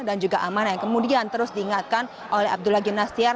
dan juga aman yang kemudian terus diingatkan oleh abdullah gymnastiar